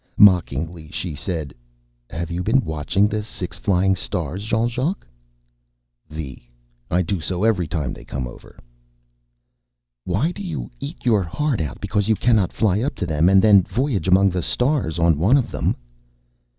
Mockingly she said, "Have you been watching the Six Flying Stars, Jean Jacques?" "Vi. I do so every time they come over." "Why do you eat your heart out because you cannot fly up to them and then voyage among the stars on one of them?"